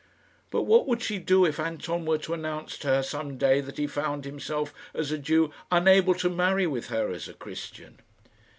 But what would she do if Anton were to announce to her some day that he found himself, as a Jew, unable to marry with her as a Christian?